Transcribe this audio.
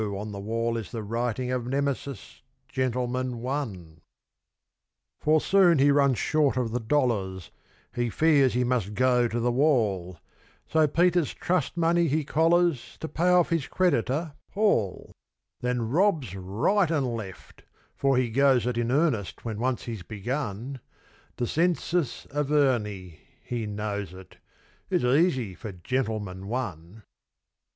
on the wall is the writing Of Nemesis, "Gentleman, One". For soon he runs short of the dollars, He fears he must go to the wall; So Peter's trust money he collars To pay off his creditor, Paul; Then robs right and left for he goes it In earnest when once he's begun. Descensus Averni he knows it; It's easy for "Gentleman, One".